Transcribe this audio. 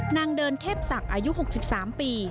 นางเดินเทพศักดิ์อายุหกสิบสามปี